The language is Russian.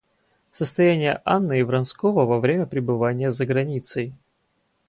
Состояние Анны и Вронского во время пребывания за границей.